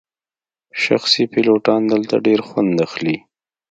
شخصي پیلوټان دلته ډیر خوند اخلي